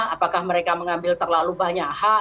apakah mereka mengambil terlalu banyak hak